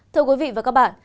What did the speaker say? thưa quý vị và các bạn